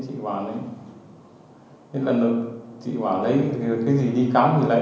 thì chị bảo lấy cái gì đi cắm thì lấy